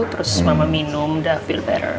terus mama minum udah feel better